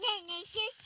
シュッシュ。